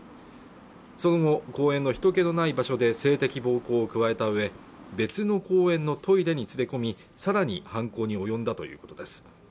その後公園の人気のない場所で性的暴行を加えたうえ別の公園のトイレに連れ込みさらに犯行に及んだということです